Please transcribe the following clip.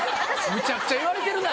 めちゃくちゃ言われてるな。